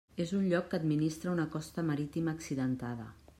És un lloc que administra una costa marítima accidentada.